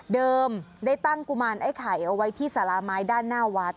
ได้ตั้งกุมารไอ้ไข่เอาไว้ที่สาราไม้ด้านหน้าวัด